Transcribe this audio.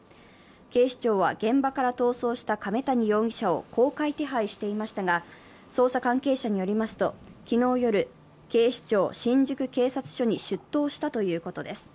警視庁は現場から逃走した亀谷容疑者を公開手配していましたが捜査関係者によりますと昨日夜、警視庁新宿警察署に出頭したということです。